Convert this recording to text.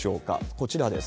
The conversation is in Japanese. こちらです。